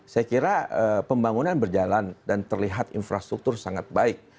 saya kira pembangunan berjalan dan terlihat infrastruktur sangat baik